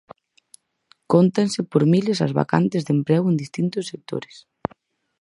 Cóntanse por miles as vacantes de emprego en distintos sectores.